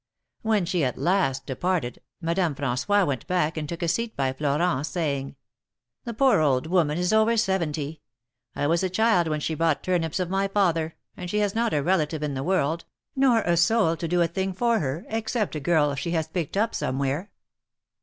When she at last departed, Madame Franyois^ went back and took a seat by Florent, saying i That poor old woman is over seventy. I was a child when she bought turnips of my father, and she has not a relative in the world, > nor a soul to do a thing for her, except a girl she has picked up somewhere.